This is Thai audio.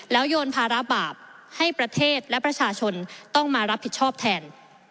โยนภาระบาปให้ประเทศและประชาชนต้องมารับผิดชอบแทน